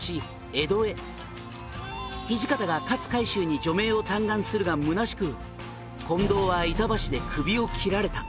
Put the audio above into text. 「土方が勝海舟に助命を嘆願するがむなしく近藤は板橋で」